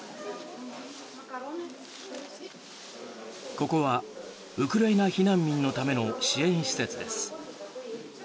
ここはウクライナ避難民のための支援施設です。